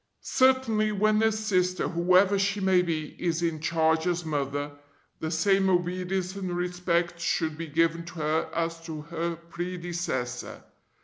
Certainly when a Sister, whoever she may be, is in charge as Mother, the same obedience and respect should be given to her as to her predecessor.